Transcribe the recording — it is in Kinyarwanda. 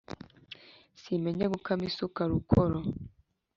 Simenya gukama isuka rukoro,